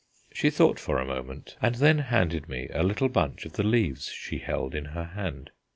She thought for a moment, and then handed me a little bunch of the leaves she held in her hand.